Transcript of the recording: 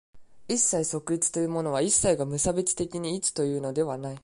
一切即一というのは、一切が無差別的に一というのではない。